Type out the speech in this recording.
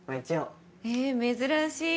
へえ珍しい。